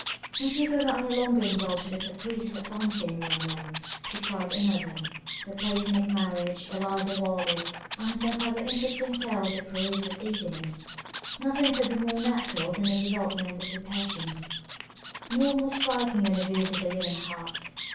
When she could not any longer indulge the caprices of fancy one way, she tried another. The Platonic Marriage, Eliza Warwick, and some other interesting tales were perused with eagerness. Nothing could be more natural than the developement of the passions, nor more striking than the views of the human heart.